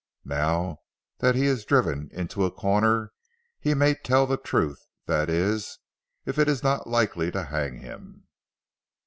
Now that he is driven into a corner, he may tell the truth that is, if it is not likely to hang him."